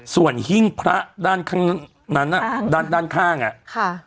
ส่วนหิ้งพระด้านข้างนั้นด้านข้างอ่ะ